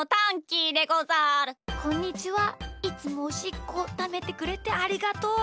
いつもおしっこためてくれてありがとう。